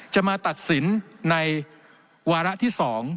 จะมาตัดสินในวาระที่๒